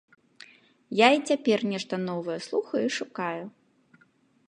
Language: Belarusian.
Я і цяпер нешта новае слухаю і шукаю.